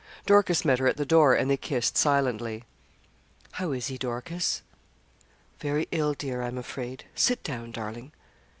Dorcas met her at the door, and they kissed silently. 'How is he, Dorcas?' 'Very ill, dear, I'm afraid sit down, darling.'